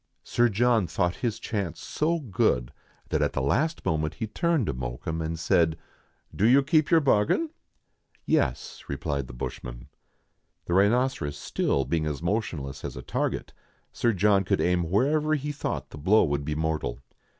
Sir John thought his chance so good, that at the last moment he turned to Mokoum and said,— " Do you keep to your bargain ?"" Yes," replied the bushman. The rhinoceros still being as motionless as a target, Sir John could aim wherever he thought the blow would be mortal.